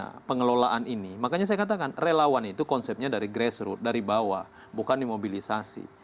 nah pengelolaan ini makanya saya katakan relawan itu konsepnya dari grassroot dari bawah bukan dimobilisasi